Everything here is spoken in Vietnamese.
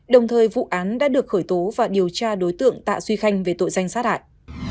đồng thời vụ án đã được khởi tố và điều tra đối tượng tạ duy khanh về tội danh sát hại